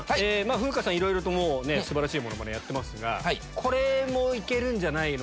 風花さん素晴らしいモノマネやってますがこれもいけるんじゃないの？